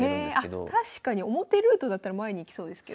あっ確かに表ルートだったら前に行きそうですけど。